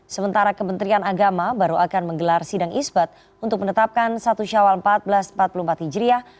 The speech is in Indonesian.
sementara kementerian agama baru akan menggelar sidang isbat untuk menetapkan satu syawal seribu empat ratus empat puluh empat hijriah